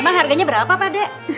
emang harganya berapa pak de